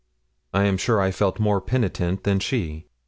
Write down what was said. I am sure I felt more penitent than she.